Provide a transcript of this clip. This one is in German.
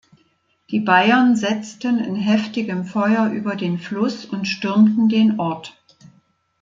Die Bayern setzten in heftigem Feuer über den Fluss und stürmten den Ort.